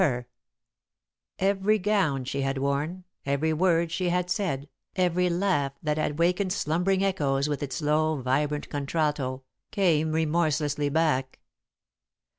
[Sidenote: Release from Pain] Every gown she had worn, every word she had said, every laugh that had wakened slumbering echoes with its low, vibrant contralto, came remorselessly back.